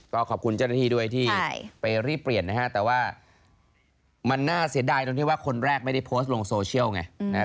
ก็ขอบคุณเจ้าหน้าที่ด้วยที่ไปรีบเปลี่ยนนะฮะแต่ว่ามันน่าเสียดายตรงที่ว่าคนแรกไม่ได้โพสต์ลงโซเชียลไงนะครับ